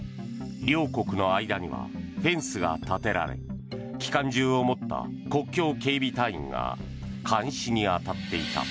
両国の間にはフェンスが建てられ機関銃を持った国境警備隊員が監視に当たっていた。